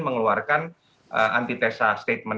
mengeluarkan antitesa statement